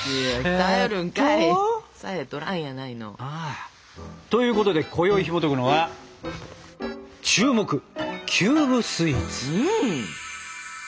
さえとらんやないの。ということでこよいひもとくのは「注目！キューブスイーツ」。